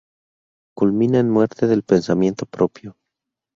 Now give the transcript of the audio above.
Culmina en muerte del pensamiento propio.